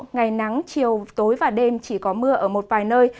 ngày nắng chiều tối và đêm chỉ có mưa ở một vài nơi